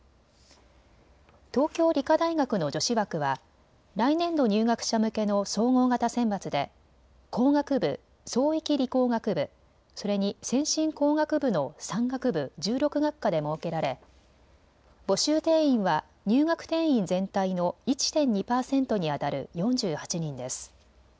東京理科大学の女子枠は来年度入学者向けの総合型選抜で工学部、創域理工学部、それに先進工学部の３学部１６学科で設けられ募集定員は入学定員全体の１．２％にあたる４８人です。